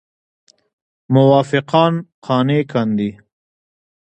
موافقان قانع کاندي.